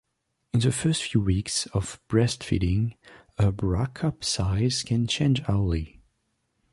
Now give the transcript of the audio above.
In the first few weeks of breastfeeding, her bra cup size can change hourly.